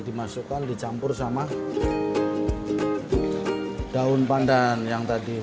dimasukkan dicampur sama daun pandan yang tadi